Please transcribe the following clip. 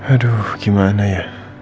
aduh gimana ya